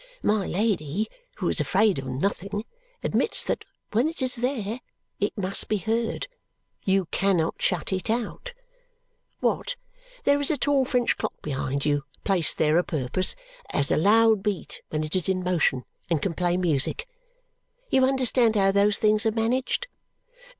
My Lady, who is afraid of nothing, admits that when it is there, it must be heard. You cannot shut it out. Watt, there is a tall French clock behind you (placed there, 'a purpose) that has a loud beat when it is in motion and can play music. You understand how those things are managed?"